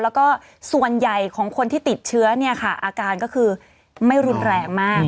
แล้วก็ส่วนใหญ่ของคนที่ติดเชื้อเนี่ยค่ะอาการก็คือไม่รุนแรงมาก